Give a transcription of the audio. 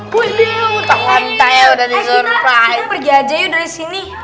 kita pergi aja yuk dari sini